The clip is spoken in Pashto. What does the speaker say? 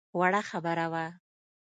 وړه خبره وه.